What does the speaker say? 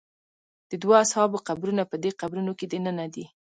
د دوو اصحابو قبرونه په دې قبرونو کې دننه دي.